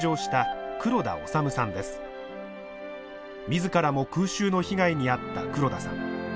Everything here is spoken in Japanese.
自らも空襲の被害に遭った黒田さん。